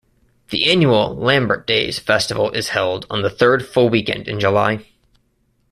The annual "Lambert Days" festival is held on the third full weekend in July.